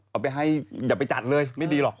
เอาไปให้อย่าไปจัดเลยไม่ดีหรอก